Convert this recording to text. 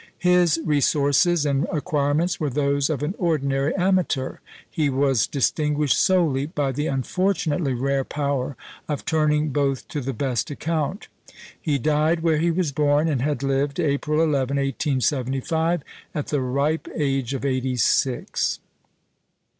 His resources and acquirements were those of an ordinary amateur; he was distinguished solely by the unfortunately rare power of turning both to the best account. He died where he was born and had lived, April 11, 1875, at the ripe age of eighty six.